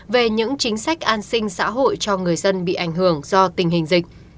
về những chính sách an sinh xã hội cho người dân bị ảnh hưởng do tình hình dịch